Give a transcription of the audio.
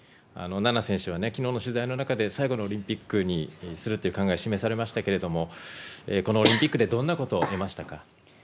菜那選手はきのうの取材の中で、最後のオリンピックにするという考え示されましたけれども、このオリンピックでどんなことを得ましたか？